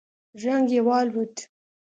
رنگ يې والوت.